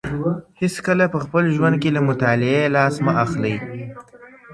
هېڅکله په خپل ژوند کي له مطالعې لاس مه اخلئ.